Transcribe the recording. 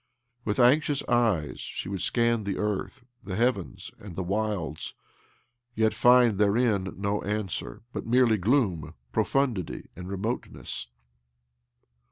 With anxious eyes she would scan the earth, the heavens, and the wilds, yet find therein no answer, but merely gloom', profundity, and remote ness.